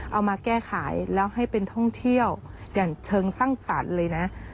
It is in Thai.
เอามาแก้ไขแล้วให้เป็นท่องเที่ยวอย่างเชิงสร้างสรรค์เลยนะ